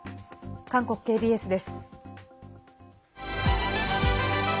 韓国ＫＢＳです。